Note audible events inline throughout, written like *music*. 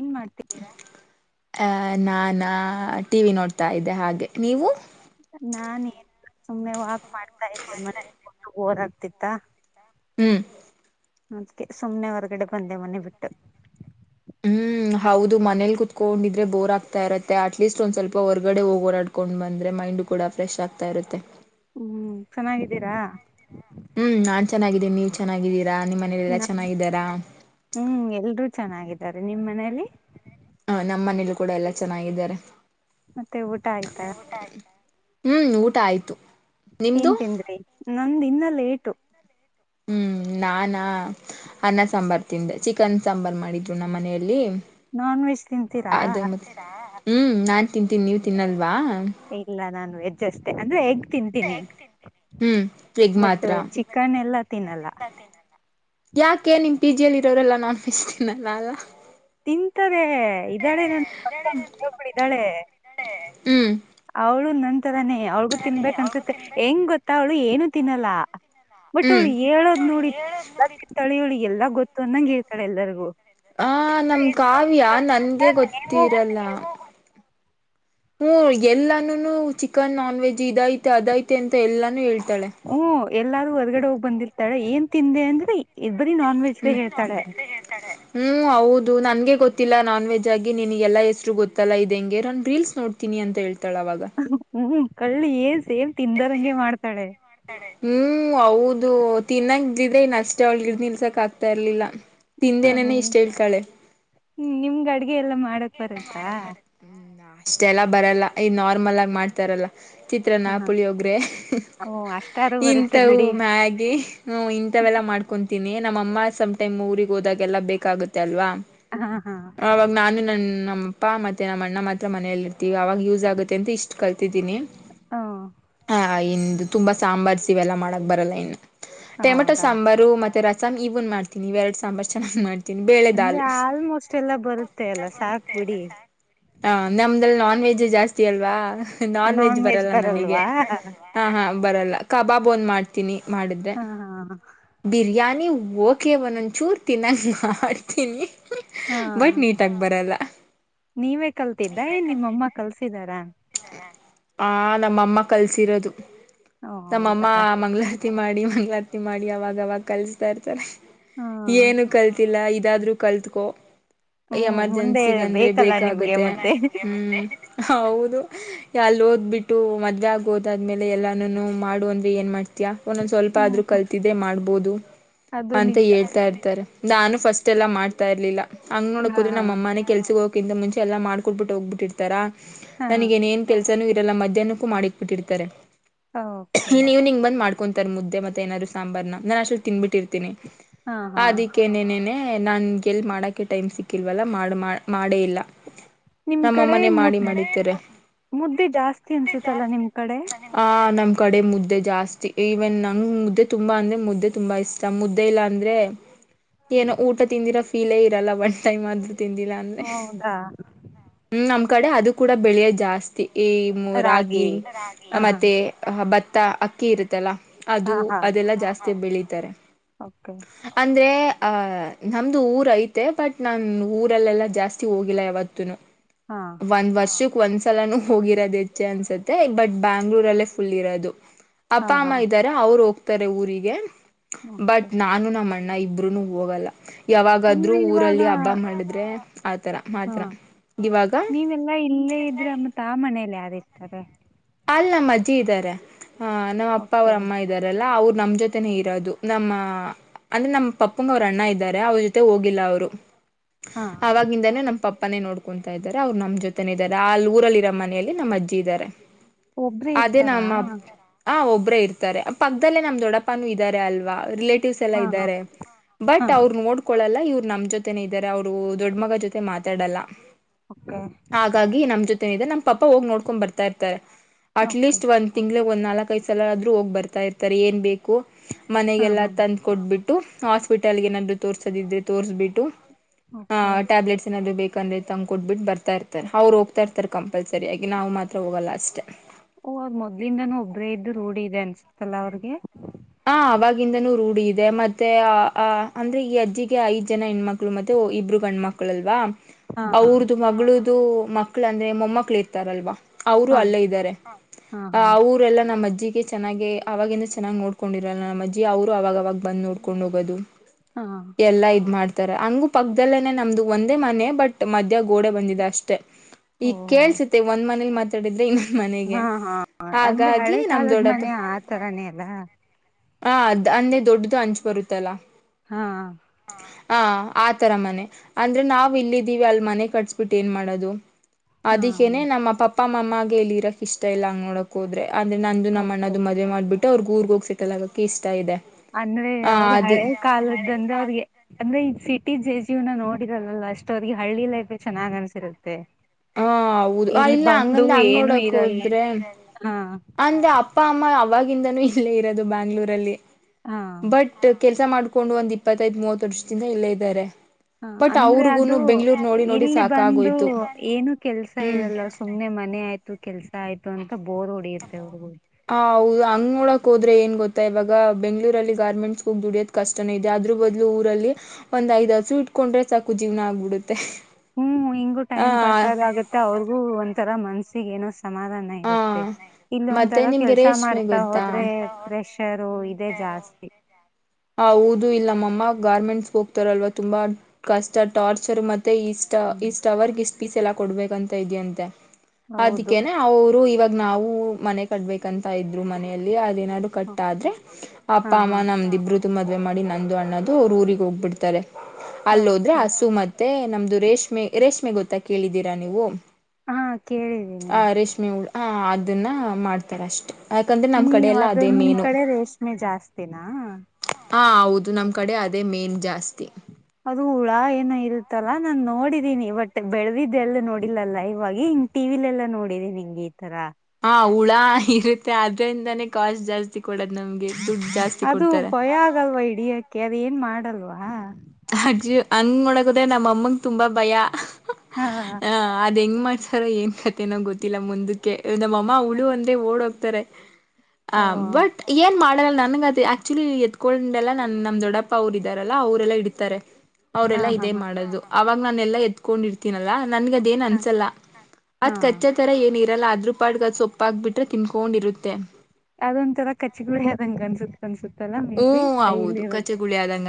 ಏನ್ ಮಾಡ್ತಿ? ಅ ನಾನಾ ಟಿವಿ ನೋಡ್ತಾ ಇದ್ದೆ ಹಾಗೇ ನೀವು? ನಾನ ಏನ್ ಸುಮ್ನೆ ವಾಕ್ ಮಾಡ್ತಾ ಇದ್ದೆ ಮನೆಲ್ಲಿ ಕೂತು ಬೊರ್ ಆಗ್ತಿತ್ತಾ ಹ್ಮ್ ಮತ್ತೆ ಸುಮ್ನೆ ಹೊರಗಡೆ ಬಂದೆ ಮನೆ ಬಿಟ್ಟು. ಹ್ಮ್ ಹೌದು ಮನೆಲಿ ಕೂತ್ಕೊಂಡಿದ್ರೆ ಬೋರ್ ಆಗ್ತಾ ಇರತ್ತೆ ಅಟ್ಲೀಸ್ಟ್ ಒಂದ್ ಸ್ವಲ್ಪ ಹೊರಗಡೆ ಹೋಗ್ ಓಡಾಡ್ ಕೊಂಡ್ ಬಂದ್ರೆ ಮೈಂಡು ಕೂಡ ಫ್ರೆಶ್ ಆಗ್ತಾ ಇರತ್ತೆ. ಹ್ಮ್ ಚೆನ್ನಾಗಿದ್ದೀರಾ. ಹ್ಮ್ ನಾನ್ ಚೆನ್ನಾಗಿದ್ದೇನೆ ನೀವ ಚೆನ್ನಾಗಿದ್ದೀರಾ ನಿಮ್ಮ ಮನೆಲೆಲ್ಲಾ ನಮ್ ಚೆನ್ನಾಗಿದ್ದಾರಾ? ಹ್ಮ್ ಎಲ್ರೂ ಚೆನ್ನಾಗಿದ್ದಾರೆ ನಿಮ್ಮ ಮನೆಲಿ? ಹ ನಮ್ಮ ಮನೆಲೂ ಕೂಡ ಎಲ್ಲ ಚೆನ್ನಾಗಿದ್ದಾರೆ. ಮತ್ತೆ ಊಟ ಆಯ್ತಾ? ಹ್ಮ್ ಊಟ ಆಯ್ತು. ನಿಮ್ದು ಏನ್ ತಿಂದ್ರಿ ನಂದ್ ಇನ್ನ ಲೇಟು. ಹ್ಮ್ ನಾನಾ. ಅನ್ನ ಸಾಂಬಾರ್ ತಿಂದೆ ಚಿಕನ್ ಸಾಂಬಾರ್ ಮಾಡಿದ್ರು ನಮ್ ಮನೆಲ್ಲಿ ನಾನ್ವೆಜ್ ತಿಂತೀರಾ? ಹ್ಮ್ ನಾನ್ ತಿಂತೀನ್ ನೀವ ತಿನ್ನಲ್ವ ಇಲ್ಲ ನಾನ್ ವೆಜ್ ಅಷ್ಟೇ ಅಂದ್ರೆ ಎಗ್ ತಿಂತೀನಿ ಹ್ಮ್ ಎಗ್ ಬಟ್ ಮಾತ್ರ ಚಿಕನ್ ಎಲ್ಲ ತಿನ್ನಲ್ಲ. ಯಾಕೆ ನಿಮ್ ಪಿ ಜಿಯಲ್ಲಿ ಇರೋರೆಲ್ಲ ನಾನ್ ವೆಜ್ ತಿನ್ನಲ್ಲ ಅಲ ತಿಂತಾರೆ ಇದಾಳೆ ನನ್ ಪಕ್ಕ ಒಬ್ಳ್ ಇದಾಳೆ. ಹ್ಮ್ ಅವ್ಳು ನಂತರಾನೆ ಅವಳಿಗೂ ತಿನ್ಬೇಕ್ ಅನ್ಸುತ್ತೆ ಹೆಂಗ್ ಗೊತ್ತ ಅವಳು ಏನು ತಿನ್ನಲ್ಲ ಬಟ್ ಹ್ಮ್ ಅವ್ಳು ಹೇಳದ್ ನೋಡಿ ಎಲ್ಲ ತಿಂತಾಳಿ ಅವಳಿ ಎಲ್ಲಾ ಗೊತ್ತು ಅಂದಂಗೆ ಹೇಳ್ತಾಳೆ ಎಲ್ಲರಿಗೂ ಹ ನಮ್ ಕಾವ್ಯ ನನ್ಗೆ ಗೊತ್ತಿರಲ್ಲ ಹ್ಮ್ ಎಲ್ಲಾನು ಚಿಕನ್ ನಾನ್ ವೆಜ್ ಇದ ಐತೆ ಅದ ಐತೆ ಅಂತ ಎಲ್ಲಾನು ಹೇಳ್ತಾಳೆ ಹ್ಮ್ ಎಲ್ಲಾರೂ ಹೊರ್ಗಡೆ ಹೋಗಿ ಬಂದಿರ್ತಾಳೆ ಏನ್ ತಿಂದೆ ಅಂದ್ರೆ ಇ ಬರೀ ನಾನ್ ವೆಜ್ ಬರೀ ನಾನ್ ಹೇಳ್ತಾಳೆ ವೆಜ್ಜೆ ಹೇಳ್ತಾಳೆ ಹ್ಮ್ ಹೌದು ನನ್ಗೆ ಗೊತ್ತಿಲ್ಲ ನಾನ್ ವೆಜ್ ಆಗಿ ನಿನಗೆಲ್ಲಾ ಎಷ್ಟರು ಗೊತ್ತಲ್ಲ ಇದದೆಂಗೆ ನ ರೀಲ್ಸ್ ನೋಡ್ ತೀನಿ ಅಂತ ಹೇಳ್ತಾಳೆ ಅವಾಗ ಹ್ಮ್ ಕಳ್ಳಿ ಏನ್ ಸೇಮ ತಿಂದೋರಂಗೆ ಮಾಡ್ತಾಳೆ. ಹ್ಮ್ ಹೌದು ತಿನ್ನಗಿದ್ದಿದ್ದರೆ ಇನ್ನ ಅಷ್ಟೆ ಅವಳಗ ತಿನ್ನಕ್ಕೆ ಆಗ್ತಾ ಇರ್ಲಿಲ್ಲ. ತಿಂದೇನೆನೆ ಇಷ್ಟು ಹೇಳ್ತಾಳೆ. ಹ್ಮ ನಿಮ್ಮಗ ಅಡಗೆ ಯಲ್ಲಿ ಮಾ. ಅಡುಗೆ ಎಲ್ಲಾ ಮಾಡಲ್ಲಕ ಬರುತ್ತಾ ಅಷ್ಟೆಲ್ಲ ಬರಲ್ಲ ಈ ನಾರ್ಮಲ್ ಆಗಿ ಮಾಡ್ತಾ ಇರಬೇಕು. ಚಿತ್ರನ್ನ ಹ ಪುಳಿಯೋಗರೆ ಓ ಅಷ್ಟಾರು ಬರುತ್ತೆ ಇಂಥವು ಬಿಡಿ ಮ್ಯಾಗಿ. ಹ್ಮ ಇಂಥವೆಲ್ಲಾ ಮಾಡ್ಕೊತೀನಿ ನಮ್ಮಅಮ್ಮ ಸಮ್ ಟೈಮ್ ಊರಿಗ ಹೋದಾಗೆಲ್ಲ ಬೇಕಾಗುತ್ತೆ ಅಲ್ವಾ. ಹ ಹಾ ಆವಾಗ ನಾನು ನನ್ನ. ನಮ್ಮಪ್ಪಾ ಮತ್ತೆ ನಮ್ಮ ಅಣ್ಣ ಮಾತ್ರ ಮನೆಯಲ್ಲಿ ಇರ್ತೀವಿ ಅವಾಗ ಯೂಸ್ ಆಗುತ್ತೆ ಅಂತ ಇಷ್ಟ ಕಲ್ತಿದ್ದೀನಿ. ಹ ಆಯಿಂದ ಸಾಂಬಾರ್ಸ ಇವೆಲ್ಲ ಮಾಡಕ್ ಬರಲ್ಲ ಇನ್ನು ಟೊಮ್ಯಾಟೋ ಹೌದಾ ಸಾಂಬಾರ್ ಮತ್ತೆ ರಸಮ ಇ್ನ ಮಾಡ್ತಿನನ ಇವೆರಡು ಸಾಂಬಾರು ಚೆನ್ನಾಗಿ ಮಾಡತೀನಿ ಅಂದ್ರೆ ಆಲ್ಮೋಸ್ಟ್ ಎಲ್ಲ ಬರುತ್ತೆ ಅಲ್ಲ ಸಾಕ್ ಬಿಡಿ ಹ ನಮ್ದಲ್ಲಿ ನಾನ್ ವೆಜ್ಜ್ ಜಾಸ್ತಿ ಅಲ್ವಾ ನಾನ್ ವೆಜ್ ಬರಲ್ಲ ನನಗೆ ಹಾ ಹಾ ಬರಲ್ಲ ಕಬಾಬ್ ಒಂದು ಮಾಡ್ತೀನಿ ಮಾಡಿದ್ರೆ ಹಾ ಹಾ ಬಿರಿಯಾನಿ ಓಕೆ ಒಂದ ಒಂದು ಚೂರು ತಿನ್ನಾಗ ಮಾಡ್ತೀನಿ ಹಾ ಬಟ್ ನೀಟ್ ತಗ ಬರಲ್ಲ ನೀವೇ ಕಲ್ತಿದ್ದ ನಿಮ್ಮಮ್ಮ ಕಲ್ಸಿದಾರ ಆ ನಮ್ಮಮ್ಮ ಕಲ್ಸಿರೋದು ಓ ನಮ್ಮಮ್ಮ ಹೌದಾ ಮಂಗ್ಗಳಾರ ಹತ್ತಿ ಮಾಡಿ ಮಂಗಳಾರತಿ ಮಾಡಿ ಅವಾಗವಾಗ ಕಲ್ಸ್ತಾ ಇರ್ತಾರೆ ಹಾ ಏನು ಕಲ್ತಿಲ್ಲ ಇದಾದ್ರೂ ಕಾಲತಕೋ ಹ್ಮ್ ಮುಂದೆ ಎಮರ್ಜೆನ್ಸಿಗಂದ್ರೆ ಬೇಕಲ್ಲ ನಿಮ್ಗೆ ಬೇಕಾಗತ್ತೆ ಮತ್ತೆ ಹ್ಮ್ ಹೌದು ಅಲ್ಲಿ ಓದ್ಬಿಟ್ಟು ಮದ್ವೆಗ ಓದಾದ್ಮೇಲೆ ಎಲ್ಲಾನ ಮಾಡುವಂದ್ರ ಏನ್ ಮಾಡ್ತ ಒಂದೊಂದ್ ಸ್ವಲ್ಪ ಆದ್ರೂ ಹ್ಮ್ ಕಲ್ತಿದ್ದೆ ಮಾಡ್ಬೋದು ಅದು ಅಂತ ನಿಜ ಹೇಳ್ತಾ ಇರ್ತಾರೆ ನಾನು ಫಸ್ಟ್ ಎಲ್ಲ ಮಾಡ್ತಾ ಇರ್ಲಿಲ್ಲ ಹಂಗ್ ಹಾ ನೋಡಕೋದರೆ ನಮ್ಮ ಅಮ್ಮನಿಗೆ ಕೆಲ್ಸ ಹೋಗಕಿಂತ ಮುಂಚೆ ಎಲ್ಲ ಮಾಡ್ಕೊಡ್ಬಟ್ಟ ಹೋಗ್ಬಿಟ್ಟಿರ್ತಾ ಹಾ ನನಗ ಏನೇನ್ ಕೆಲ್ಸಾನೂ ಇರಲ್ಲ ಮಧ್ಯಾಹ್ನಕ್ಕೂ ಮಾಡಿಕ್ ಬಿಟ್ಟಿರ್ತಾರೆ ಹಾ ಓಕೆ ಇನ್ ಇವ್ನಿಂಗ್ ಬಂದ್ ಮಾಡ್ ಮಾಡ್ಕೊಂತಾರೆ ಮುದ್ದೆಮತ್ತೆ ಏನಾದ್ರು ಸಾಂಬಾರ್ ನಾನ್ ಅಷ್ಟ ತ ತಿನ್ ಬಿಟ್ಟಿತತಿ ಹಾ ಹಾ ಅದಕ್ಕೆ ನನನೆ ನ ಎಲ್ಲಿ ಮಾಡೋಕ್ಕೆ ಟೈಮ್ ಸಿಕ್ಕಿಲ್ವಲ್ಲ ಮಾಡಿ ಮಾಡ ಮಾಡೇ ಇಲ್ಲ ನಿಮ್ ಕಡೆ ನಮ್ಮಮ್ಮನೆ ಮಾಡಿ ಮುದ್ ಮಾಡಿದ್ದೀರ ಮುದ್ದೆ ಜಾಸ್ತಿ ಅನ್ಸುತ್ತಲ್ಲಾ ನಿಮ್ ಕಡೆ ಆ ನಮ್ ಕಡೆ ಮುದ್ದೆ ಜಾಸ್ತಿ ಇವೆನ್ ನಂಗ್ ಮುದ್ದೆ ತುಂಬಾ ಅಂದ್ರೆ ಮುದ್ದೆ ತುಂಬಾ ಇಷ್ಟ ಸಮ ಮುುದ್ದ ಇಲ್ಲ ಅಂದ್ರೆ ಏನೋ ಊಟ ತಿಂದಿರೋ ಫೀಲೇ ಇರಲ್ಲ ಒಂದ್ ಟೈಮ್ ಆದ್ರೂ ತಿಂದಿಲ್ಲ ಅಂದ್ರೆ ಹೌದಾ ಹ್ಮ್ ನಮ್ ಕಡೆ ಅದು ಕೂಡ ಬೆಳೆಯ ಜಾಸ್ತಿ ಈ ರಾಗಿ ಹಾ ಮತ್ತೆ ಅಹ ಭತ್ತ ಅಕ್ಕಿ ಇರುತ್ತಲ್ಲ ಹಾ ಅದು ಹಾ ಅದೆಲ್ಲಾ ಜಾಸ್ತಿ ಬೆಳಿತಾರೆ ಓಕೆ ಅಂದ್ರೆ ಆಹ ನಮ್ದು ಊರ ಐತೆ ಬಟ್ ನಾನು ಊರಲ್ಲೆಲ್ಲಾ ಜಾಸ್ತಿ ಹೋಗಿಲ್ಲ ಯಾವತ್ತನು ಹಾ ಒಂದ್ ವರ್ಷಕ್ ಒಂದ್ಸಲಾನು ಹೋಗಿರೋದು ಹೆಚ್ಚೆ ಅನ್ಸತ್ತೆ ಬಟ್ ಬೆಂಗಳೂರ್ ಅಲ್ಲೆ ಫುಲ್ ಇರೋದು ಹಾ ಅಪ್ಪ ಹಾ ಅಮ್ಮ ಇದ್ದಾರೆ ಅವ್ರು ಹೋಗ್ತಾರೆ ಊರಿಗೆ ಓಕೆ ಬಟ್ ನಾನು ನಮ್ಮ ಅಣ್ಣ ಇಬ್ರೂನು ಹೋಗಲ್ಲ ಯಾವಾಗಾದ್ರೂ ಅಂದ್ರೆ ಇವಾಗ ಊರಲ್ಲಿ ಹಬ್ಬ ಮಾಡಿದ್ರೆ ಆತರ ಹಾ ಮಾತ್ರ ಇವಾಗ ನೀವೆಲ್ಲಾ ಇಲ್ಲೇ ಇದ್ರೆ ಮತ್ ಆ ಮನೇಲಿ ಯಾರು ಇರ್ತಾರೆ ಅಲ್ಲಿ ನಮ್ಮ ಅಜ್ಜಿ ಇದ್ದಾರೆ ಆ ನಮ್ಮ್ ಅಪ್ಪ ಓಕೆ ಅವರ ಅಮ್ಮ ಇದ ಇದಾರಲ್ಲ ಅವ್ರು ನಮ್ ಜೊತೆನೆೇ ಇರೋದು ನಮ್ಮ ಅಂದ್ರೆ ನಮ್ಮ್ ಪಪ್ಪಂಗ ಅವ್ರ ಅಣ್ಣ ಇದ್ದಾರೆ ಅವ್ರ ಜೊತೆ ಹೋಗಿಲ್ಲ ಅವ್ರು ಹಾ ಆಗಿಂದಾನೇ ನಮ್ಮ್ ಪಪ್ಪಾನೇ ನೋಡ್ಕೊಂತಾ ಇದ್ದಾರೆ ಅವ್ರು ನಮ್ ಜೊತೆನೆ ಇದಾರೆ ಆ ಊರಲ್ಲಿ ಇರ ಮನೇೆಯಲ್ಲಿ ನಮ್ಮ್ ಅಜ್ಜಿ ಇದಾರೆ ಒಬ್ರೇ ಅದೇ ಇರ್ತಾರಾ ನಮ್ಮ ಹ ಒಬ್ಬರ ಇರ್ತಾರೆ ಪಕ್ಕದಲ್ಲೇ ನಮ್ ದೊಡ್ಡಪ್ಪನೂ ಇದ್ದಾರೆ ಅಲ್ವಾ ರಿಲೇಟ್ ರಿಲೇಟಿವ್ಸ್ ಎಲ್ಲ ಹಾ ಹಾ ಇದ್ದಾರೆ ಹಾ ಬಟ್ ಅವ್ರು ನೋಡ್ ಹೊಂದ್ಕೊಳಲ್ಲ ಇವ್ರು ನಮ್ ಜೊತೆೇನೆ ಇದ್ದಾರೆ ಅವ್ರು ದೊಡ್ಡ ಮಗ ಜೊತೆ ಮಾತಾಡಲ್ಲ ಓಕೆ ಹಾಗಾಗಿ ನಮ್ಮ್ ಜೊತೆೇನಿದೆ ನಮ್ಮ ಪಪ್ಪಾ ಹೋಗಿ ನೋಡ್ಕೊಂಡ್ ಬರ್ತಾ ಇರ್ತಾರೆ ಅಟ್ ಓಕೆ ಲೀಸ್ಟ್ ಒಂದ್ ತಿಂಗಳು ಒಂದ್ ನಾಲ್ಕ ಐದು ಸಲ ಆದ್ರೂ ಹೋಗ್ ಬರ್ತಾ ಇರ್ತಾರೆ ಏನ್ ಬೇಕು ಹಾ ಮನೆಗೆಲ್ಲಾ ಹಾ ತಂದ್ ಕೊಟ್ಬಿಟ್ಟು ಹಾಸ್ಪಿಟಲ್ಗೆ ಏನಾದ್ರು ತೋರ್ಸದಿದ್ರೆ ತೋರ್ಸ್ಬಿಟ್ಟು ಹಾ ಓಕೆ ಟ್ಯಾಬ್ಲೆಟ್ಸ್ ಏನಾದ್ರು ಬೇಕು ಬೇಕಂದ್ರೆ ತಕೊಟ್ಬ ಬಿಟ್ಟು ಬರ್ತಾ ಇರ್ತಾರೆ ಅವ್ರು ಹೋಗತ ಇರ್ತಾರ ಕಂಪಲ್ಸರಿ ಹಾಗಗ ನಾವು ಮಾತ್ರ ಹೋಗಲ್ಲ ಅಷ್ಟೇ ಓ ಅದ್ ಮೊದ್ಲಿಂದನ ಒಬ್ಬ್ರೇ ಇದ್ದ್ ರೂಡಿ ಇದೆ ಅನ್ಸತಲ್ಲಾ ಅವ್ರಿಗೆ ಹ ಅವವಾಗಿಂದನೂ ರೂಢಿ ಇದೆ ಮತ್ತೆ ಅ ಅಂದ್ರೆ ಈ ಅಜ್ಜಿಗೆ ಐದ್ ಜನ ಹೆಣ್ಮಕ್ಳ ಮಕ್ಕಳ ಮತ್ತೆ ಇಬ್ರು ಗಂಡ ಮಕ್ಕಳು ಅಲ್ವಾ ಹಾ ಹಾ ಅವ್ರದು ಮಗಳ್ದ ಮಕ್ಳ ಅಂದ್ರೆ ಮೊಮ್ಮಕ್ಳು ಇರ್ತಾರಲ್ವಾ ಅವರು ಹಾ ಅಲ್ಲೇ ಇದ್ದಾರೆ ಹಾ ಹಾ ಅವರೆಲ್ಲಾ ನಮ್ಮ್ ಅಜ್ಜಿಗೆ ಚೆನ್ನಾಗೆ ಅವಾಗಿಂದ ಚೆನ್ನಾಗ್ ನೋಡ್ ಕೊಂಡಿರಲ್ಲ ನಮ್ಮಜ್ಜಿ ಅವರು ಅವಾಗವಾಗ ಬಂದು ನೋಡ್ಕೊಂಡು ಹೋಗೋದು ಹಾ ಎಲ್ಲ ಇದು ಮಾಡ್ತಾರೆ ಹಂಗೂ ಪಕ್ಕದಲ್ಲೇ ನಮ್ಮದು ಒಂದೇ ಮನೆ ಬಟ್ ಮಧ್ಯ ಗೋಡೆ ಬಂದಿದೆ ಅಷ್ಟೆ ಓ ಈಗ ಕೇಳ್ಸತ್ತೆ ಒಂದ್ ಮನೇಲಿ ಮತ್ತ ಡಿದ್ರೆ ಇನ್ನೊಂದ್ ಮನೆಗೆ ಹಾ ಹಾ ಹಾಗಾಗಿ ನಮ ದೊಡ್ಡಪ್ಪ ತರಾನೆ ಎಲ್ಲ ಹ ಅದ್ ಅಂದೇೆ ದೊಡ್ಡದು ಹಂಚು ಬರುತ್ತಲ್ಲಾ ಹಾ ಹ ಆ ತರ ಮನೆ ಅಂದ್ರೆ ನಾವ್ ಇಲ್ಲಿದ್ದೀವಿ ಅಲ್ ಮನೆ ಕಟ್ಸಸ್ಬಿಟ್ಟು ಏನ್ ಮಾಡೋದು ಹಾ ಅದಕ್ಕೇನೆ ನಮ್ಮ ಪಪ್ಪ ಮಮ್ಮಾಗ ಎಲ್ಲಿ ಇರಕ್ ಇಷ್ಟ ಇಲ್ಲ ಹಂಗ ನೋಡಕ್ ಹೋದ್ರ ಅಂದ್ರೆ ನಂದು ನಮ್ಮ ಓಕೆ ಅಣ್ಣದು ಮದುವೆ ಮಾಡ್ಬಿಟ್ಟು ಅವ್ರಗ್ ಊಗ್ ಹೋಗ್ ಸೆಟೆಲ್ ಆಗಕ್ಕೆ ಇಷ್ಟ ಇದೆ ಅಂದ್ರೆ ಹ ಯಾವ್ದ ಅದೇ ಹಳೆ ಕಾಲದ್ದಂದ್ರೆ ಅವ್ರಿಗೆ ಅಂದ್ರೆ ಈ್ ಸಿಟಿ ಜೆ ಜೀವ್ನ ನೋಡಿರಲ್ಲ ಅಷ್ಟೋರಿಗೆ ಹಳ್ಳಿ ಲೈಫ ಚೆನ್ನಾಗ್ ಅನ್ಸಿರುತ್ತೆ ಹ ಹೌದು ಇಲ್ಲಿ ಇಲ್ಲ ಬಂದು ಹಂಗಂದ್ರೆ ಹಂಗ್ ಏನು ನೋಡಕ್ ಇರಲ್ಲ ಹೋದ್ರೆ ಹಾ ಅಂದ್ರೆ ಅಪ್ಪ ಅಮ್ಮ ಅವಾಗಿಂದನೂ ಇಲ್ಲೇ ಇರೋದು ಬೆಂಗಳೂರಲ್ಲಿ ಹಾ ಬಟ್ ಕೆಲಸ ಮಾಡ್ಕೊಂಡು ಒಂದ್ ಇಪ್ಪತ್ತೈದು ಮೂವತ್ ವರ್ಷದಿಂದ ಇಲ್ಲೇ ಇದ್ದಾರೆ ಹ ಬಟ್ ಅಂದ್ರೆ ಅವ್ರಿಗುನು ಅದು ಬೆಂಗ್ಳೂರ್ ನೋಡಿ ನೋಡಿ ಇಲ್ಲಿ ಬಂದು ಸಾಕಾಗೋಯ್ತು ಏನು ಕೆಲ್ಸ ಹ್ಮ್ ಇರಲ್ಲ ಸುಮ್ನೆ ಮನೆ ಆಯ್ತು ಕೆಲ್ಸ ಆಯ್ತು ಅಂತ ಬೋರ್ ಹೊಡಿಯುತ್ತೆ ಅವ್ರಿಗೂ ಹಾ, ಹೌದು ಹಂಗ ನಡಕೋದ್ರೆ ಏನ್ ಗೊತ್ತಾ ಇವಾಗ ಬೆಂಗಳೂರಲ್ಲಿ ಗಾರ್ಮೆಂಟ್ಸ್ ಹೋಗಿ ದುಡಿಯದ್ ಕಷ್ಟಾನೆ ಇದೆ ಅದ್ರ ಬದಲು ಊರಲ್ಲಿ ಒಂದ್ ಐದ್ ಹಸು ಇಟ್ಕೊಂಡ್ರೆ ಸಾಕು ಜೀವನ ಆಗ್ಬಿಡುತ್ತೆ. ಹ್ಮ್, ಹಿಂಗೂ ಹ ಟೈಮ್ ಪಾಸ್ ಆದ ಆಗತ್ತೆ ಅವ್ರಿಗೂ ಒಂಥರ ಮನ್ಸಿಗೆ ಏನೋ ಸಮಾಧಾನ ಹ ಇ ತ್ತ ಇಲ್ಲ ಮತ್ತೆ ಒಂಥರ ನಿಮ್ಗೆ ಕೆಲ್ಸ ರೇಷ್ಮೆ ಮಾಡ್ತಾ ಗೊತ್ತಾ ಹೋದ್ರೆ ಪ್ರೆಷರು ಇದೆ ಜಾಸ್ತಿ ಆ, ಹೌದು ಇಲ್ಲಿನಮ್ಮಮ್ಮ ಗಾರ್ಮೆಂಟ್ಸ್ ಹೋಗ್ತಾರಲ್ವಾ ತುಂಬಾ ಕಷ್ಟ ಟಾರ್ಚರ್ ಮತ್ತೆ ಇಷ್ಟ ಇ ಹ್ಮ್, ಸ್ಟ ಅವರ್ಗೆ ಇಷ್ಟ ಪೀಸ್ ಎಲ್ಲಾ ಕೊಡ್ಬೇಕಂತ ಇದಿಯಂತೆ ಹೌದು ಅದಕ್ಕೆೇನೆ ಅವರು ಇವಾಗ ನಾವು ಮನೆ ಕಡ್ಬೇಕಂತ ಇದ್ವಿ ಮನೆಯಲ್ಲಿ ಅದನ ಕಟ್ಟ ಆದ್ರೆ ಅಪ್ಪ ಹಾ ಹಾ -ಅಮ್ಮ ನಮ್ದು ಇಬ್ಬರದು ಮದ್ವೆಮಾಡಿ ನಂದು ಅಣ್ಣಂದು ಊರಿಗೆ ಹೋಗ್ಬಿಡ್ತಾರೆ. ಅಲ್ಲೋದ್ರೆ ಓಕೆ ಹಸು ಮತ್ತೆ ನಮ್ದು ರೇಷ್ಮೆ ರೇಷ್ಮೆ ಗೊತ್ತಾ ಕೇಳಿದೀರಾ ನೀವು ಹಾ, ಕೇಳಿದೆ ಆ ರೇಷ್ಮೆ ಹುಳ ಹಾಅದನ್ನ ಮಾಡ್ತಾರ ಅಷ್ಟೆ, ಯಾಕಂದರೆ ನಮ್ಮ ಕಡೆ ನೀವ ಎಲ್ಲ ಅದು ಅದೇ ನಿಮ್ ಕಡೆ ರೇಷ್ಮೆ ಜಾಸ್ತಿನಾ ಹಾ, ಹೌದು ನಮ್ ಕಡೆ ಅದೇ ಮೇನ್ ಜಾಸ್ತಿ ಅದು ಹುಳ ಏನ ಇರುತ್ತಲ್ಲಾ ನಾನ್ ನೋಡಿದೀನಿ ಬಟ್ ಬೆಳದಿದ್ದೆ ಎಲ್ ನೋಡಿಲ್ಲಾ ಲೈವ್ವಾಗಿ. ಟಿವಿಲೆಲ್ಲಾ ನೋಡಿದೆ ಹಿಂಗೆಈ ತರ ಹಾ, ಹುಳ ಇರುತ್ತೆ ಅದ್ರಿಂದಾನೇ ಕಾಸ್ಟ್ ಜಾಸ್ತಿ ಕೊಡದ್ ನಮ್ಗೆ ದುಡ್ ಜಾಸ್ತಿ ಅದು ಕೊಡ್ತಾರೆ ಭಯ ಆಗಲ್ವ ಹಿಡಿಯಕ್ಕೆ ಅದ ಏನ್ ಮಾಡಲ್ವಾ ಅಜ್ಜಿ ಹಂಗ ಮಾಡಕೋದ್ರೆ ನಮ್ಮ ಅಮ್ಮಂಗೆ ತುಂಬಾ ಭಯ ಹಾ ಅದ್ ಹೆಂಗ ಮಾಡ್ತ ರ ಏನ್ ಕತೆನೋ ಗೊತ್ತಿಲ್ಲ ಮುಂದಕ್ಕೆ ನಮ್ಮ ಅಮ್ಮ ಹುಳು ಅಂದ್ರೆ ಓಡ್ ಹೋಗ್ತಾರೆ. ಹಾ, ಓ ಬಟ್ ಎ ಮಾಡಲ್ಲ ನನ್ಗ ಅದೆ ಆಕ್ಚುಲಿ ಎತ್ಕೊಂಡೆಲ್ಲ ನನ್ ನಮ್ ದೊಡ್ಡಪ್ಪ ಅವ್ರು ಇದ್ದಾರಲ್ಲಾ ಅವರೆಲ್ಲ ಇಡ್ತಾರೆ. ಹಾ ಅವರೆೆಲ್ಲಾ ಹಾ ಇದೇ ಮಾಡೋದು ಅವಾಗ ನಾನ ಎಲ್ಲಾ ಎತ್ಕೊಂಡಿರ್ತೀನಲ್ಲಾ ನನ್ಗ ಏನ್ ಹಾ ಅನ್ಸಲ್ಲ ಹಾ ಅದ್ ಕಚ್ಚತ್ ಈ ಥರ ಏನ ಇರಲ್ಲ ಅದ್ರ ಪಾಟ್ಗೆ ಅದು ಸೊಪ್ಪಾಗಿಬಿಟ್ರೆ ತಿನ್ಕೊಂಡಿರುತ್ತೆ. ಅದೊಂತರ ಕಚ್ಚಗುಳಿ ಆದಂಗ ಅನ್ಸುತ್ತೆ. ಅನ್ಸುತ್ತಲ್ಲ ಮೇ ಬಿ ಹ್ಮ ಹೌದು ಹೈಲ್ ಕಚಗುಳಿ ಆದಂಗ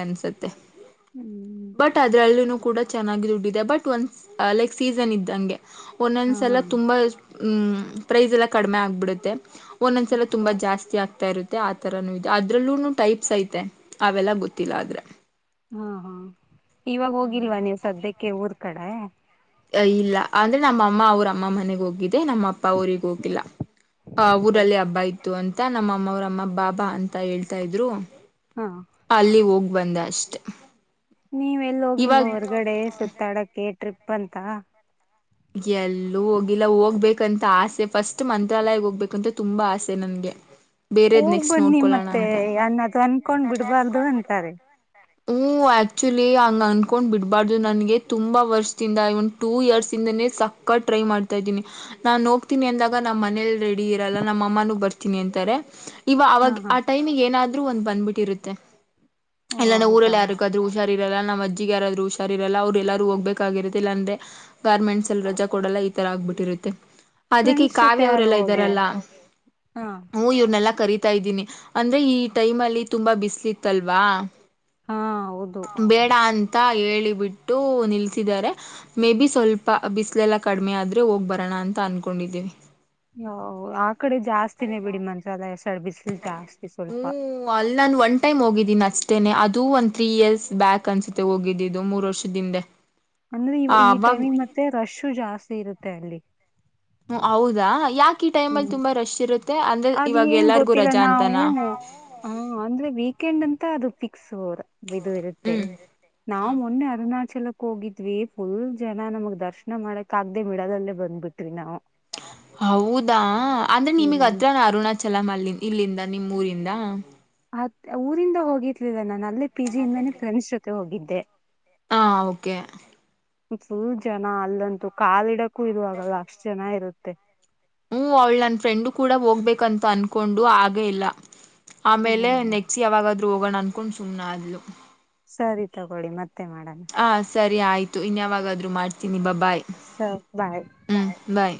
ಹ್ಮ ಟ್ ಅದ್ರಲ್ಲಿ ಕೂಡ ಚೆನ್ನಾಗಿ ದುಡ *unintelligible* ದೆ ಬಟ್ ಒ ಲೈಕ್ ಸೀಸನ್ ಇದ್ದಂಗೆ. ಹಾ ಒಂದೊಂದಸಲ ಎಲ್ಲ ತುಂಬಾ ಹ್ಮ ಪ್ರೈಸ್ ಎಲ್ಲಾ ಕಡಿಮೆ ಆಗ್ಬಿಡುತ್ತೆ. ಒಂದೊಂದ್ಸಲ ತುಂಬಾ ಜಾಸ್ತಿ ಆಗ್ತಾ ಇರುತ್ತೆ ಆ ತರನು ಇದೆ. ಅದ್ರಲ್ಲೂ ಟೈಪ್ಸ್ ಐತೆ ಅವೆಲ್ಲ ಗೊತ್ತಿಲ್ಲ ಆದ್ರೆ ಹಾ, ಹಾ ಇವಾಗ ಹೋಗಿಲ್ವಾ ನೀವು ಸದ್ಯಕ್ಕೆ ಊರ್ ಕಡೆ ಇಲ್ಲ ಅಂದ್ರೆ ನಮ್ಮ ಅಮ್ಮ ಅವ್ರ ಅಮ್ಮ ಮನೆಗ್ ಹೋಗಿದರು. ನಮ್ಮ ಅಪ್ಪ ಆಊರಿಗೆ ಹೋಗಿಲ್ಲ ಓಕೆ ಊರಲ್ಲಿ ಹಬ್ಬ ಇತ್ತು ಅಂತ ತ್ತಾ ನಮ್ಮಮ್ಮ ಅವ್ರಮ್ಮ ಬಾಬಾ ಅಂತ ಹೇಳ್ತಾ ಇದ್ರು. ಹಾ *inaudible* ಅಲ್ಲಿ ಹೋಗ್ ಬಂದ ಅಷ್ಟೆ ನೀವೆಲ್ಲು ಹೋಗಿಲ್ವಾ ಇವಾಗ ಹೊರ್ಗಡೆ ಸುತ್ತಾಡಕ್ಕೆ ಟ್ರಿಪ್ ಅಂತ ಎಲ್ಲೂ ಹೋಗಿಲ್ಲ. ಹೋಗ್ಬೇಕಂತ ಆಸೆ ಫಸ್ಟ್ ಮಂತ್ರಾಲಯ ಹೋಗ್ಬೇಕಂತ ತುಂಬಾ ಆಸೆ ನನ್ಗೆ. ಬೇರೆದ್ ಹೋಗ್ ನೆಕ್ಸ್ಟ್ ಬನ್ನಿ ನೋಡ್ಕೊಳ್ಳೋಣ ಮತ್ತೆ ಅಂತ. ಅನ್ ಅದು ಅನ್ಕೊಂಡ್ ಬಿಡ್ಬಾರ್ದು ಅಂತಾರೆ. ಹ ಆಕ್ಚುಲಿ ಹಂಗ ಅನ್ಕೊಂಡ್ ಬಿಡಬಾರ್ದು ನನ್ಗೆ ತುಂಬಾ ವರ್ಷದಿಂದ ಇವನ್ ಟೂ ಇಯರ್ಸ್ ಇಂದನೇ ಸಕ್ಕತ ಟ್ರೈ ಮಾಡ್ತಾ ಇದ್ದೀನಿ. ನಾನ್ ಹೋಗ್ತೀನಿ ಅಂದಾಗ ನಮ್ಮ್ ಮನೇಲಿ ರೆಡಿ ಇರಲ್ಲ ನಮ್ಮ ಅಮ್ಮಾನೂ ಬರ್ತೀನಿ ಅಂತಾರೆ. ಇವ ಆಗ ಹಾ ಹಾ ಆ ಟೈಮಿಗೆ ಏನಾದ್ರು ಒಂದ್ ಬಂದ್ಬಿಟ್ಟಿರುತ್ತೆ. ಓ ಇಲ್ಲಂದ್ರೆ ಹೌದಾ ಊರಲ್ಲಿ ಯಾರಿಗಾದ್ರೂ ಸರಿಗಿರಲ್ಲ ನಮ್ಮ ಅಜ್ಜಿಗೆ ಯಾರಾದ್ರು ಹುಷಾರೀರಲ್ಲ. ಅವ್ರು ಎಲ್ಲಾರೂ ಹೋಗ್ಬೇಕಾಗಿರತ್ತೆಇಲ್ಲಾ ಅಂದ್ರೆ ಗಾರ್ಮೆಂಟ್ಸ್ ಅಲ್ಲಿ ರಜಾ ಕೊಡಲ್ಲ ಈ ತರ ಆಗ್ಬಿಟ್ಟಿರುತ್ತೆ. ಅದಕ್ಕೆ ಈ ಫ್ರೆಂಡ್ಸ್ ಜೊತೆ ಕಾವ್ಯ ಯಾರು ಅವರೆಲ್ಲಾ ಹೋಗಿ. ಇದ್ದಾರಲ್ಲ ಹಾ ಹು ಇವ್ರನ್ನೆಲ್ಲಾ ಕರೀತ ಇದ್ದೀನಿ ಅಂದ್ರೆ ಈ ಟೈಮ್ ಅಲ್ಲಿ ತುಂಬಾ ಬಿಸ್ಲು ಇತ್ತಲ್ವಾ. ಹಾ ಹೌದು ಬೇಡ ಅಂತ ಹೇಳಿ ಬಿಟ್ಟು ನಿಲ್ಸಿದ್ದಾರೆ ಮೇ ಬಿ ಸ್ವಲ್ಪ ಬಿಸಿಲೆಲ್ಲ ಕಡಿಮೆ ಆದರೆ ಹೋಗಿ ಬರೋಣ ಅಂತ ಅನ್ಕೊಂಡಿದ್ದೀವಿ. ಹ ಆ ಕಡೆ ಜಾಸ್ತಿನೇ ಬಿಡಿ ಮಂತ್ರಾಲಯ ಸೈಡ್ ಬಿಸಲು ಜಾಸ್ತಿ ಸ್ವಲ್ಪ ವ ಅಲ್ಲಿ ನಾನು ಒನ್ ಟೈಮ್ ಹೋಗಿದ್ದೀನಿ ಅಷ್ಟೇ ಅದು ಒಂದು ತ್ರೀ ಇಯರ್ಸ್ ಬ್ಯಾಕ್ ಅನ್ಸುತ್ತೆ ಹೋಗಿದ್ದಿದ್ದು ಮೂರು ವರ್ಷದಿಂದೆ. *inaudible* ಅಂದ್ರೆ ಇ ಈ ಟೈಮಿಂಗ್ ಆವಾಗ ಮತ್ತೆ ರಶ್ ಜಾಸ್ತಿ ಇರುತ್ತೆ ಅಲ್ಲಿ. ಹ್ಮ ಹೌದಾ ಯಾಕ ಈ ಟೈಮ್ ಅಲ್ಲಿ ಹ್ಮ್ ತುಂಬಾ ರಶ್ ಇರುತ್ತೆ ಅಂದ್ರೆ ಅದ್ ಇವಾಗ ಏನ್ ಎಲ್ಲಾರ್ಗು ಗೊತ್ತಿಲ್ಲ ರಜಾ ನಾವು ಅಂತಾನ. ಹ ಅಂದ್ರೆ ವೀಕೆಂಡ್ ಅಂತ ಅದು ಫಿಕ್ಸ್. ಇದು ಇರುತ್ತೆ ಹ್ಮ್ ನಾವು ಹ ಮೊನ್ನೆ ಅರುಣಾಚಲ ಹೋಗಿದ್ವಿ ಫುಲ್ ಜನ ನಮಗ್ ದರ್ಶನ ಮಾಡಕ ಆಗ್ದೆ ಮಿಡದಲ್ಲೇ ಬಂದ್ಬಿಟ್ವಿ ನಾವು. ಹೌದಾ ಅಂದ್ರೆ ನಿಮಗ್ ಹ್ಮ್ ಹತ್ರ ಅರುಣಾಚಲಮ ಅಲ್ಲಿ ಇಲ್ಲಿಂದ ನಿಮ್ಮ್ ಊರಿಂದ ಅತ್ ಊರಿಂದ ಹೋಗಿರ್ಲಿಲ್ಲ ನಾನು ಅಲ್ಲೇ ಪಿ ಜಿಯಿಂದಾನೇ ಫ್ರೆಂಡ್ಸ್ ಜೊತೆ ಹೋಗಿದ್ದೆ. ಹಾ ಓಕೆ ಫುಲ್ ಜನ ಅಲ್ಲಂತು ಕಾಲಿಡಕ್ಕೂ ಇರುವಾಗಲ್ಲ ಅಷ್ಟು ಜನ ಇರುತ್ತೆ. ಹ್ಮ ಅವ್ಳು ನನ್ನ ಫ್ರೆಂಡು ಕೂಡ ಹೋಗ್ಬೇಕಂತ ಅನ್ಕೊಂಡು ಆಗೇ ಇಲ್ಲ ಆಮೇಲೆ ಹ್ಮ್ ನೆಕ್ಸ್ಟ್ ಯಾವಾಗಾದ್ರು ಹೋಗೋಣ ಅನ್ಕೊಂಡು ಸುಮ್ನಾದ್ಲು. ಸರಿ ತಗೊಳ್ಳಿ ಮತ್ತೆ ಮಾಡೋಣ. ಹಾ ಸರಿ ಆಯಿತು ಇನ್ಯಾವಾಗಾದರೂ ಮಾಡ್ತೀನಿ ಬ ಬಾಯ್ ಸರ್ ಬಾಯ್ ಹ್ಮ್ ಬಾಯ್